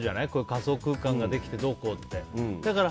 仮想空間ができてどうこうって。